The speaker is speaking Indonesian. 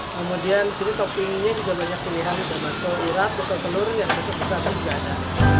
kemudian disini toppingnya juga banyak pilihan ada baso irap baso telur dan baso pesatu juga ada